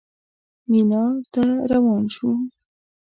مینا ته روان شوو.